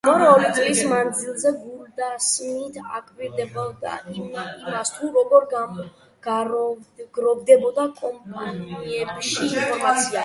ბოლო ორი წლის მანძილზე გულდასმით აკვირდებიან იმას, თუ როგორ გროვდება კომპანიებში ინფორმაცია.